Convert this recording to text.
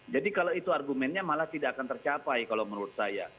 kalau itu argumennya malah tidak akan tercapai kalau menurut saya